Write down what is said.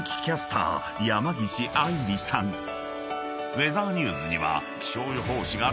［ウェザーニューズには］